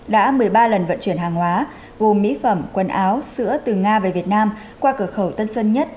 đã một mươi ba lần vận chuyển hàng hóa gồm mỹ phẩm quần áo sữa từ nga về việt nam qua cửa khẩu tân sơn nhất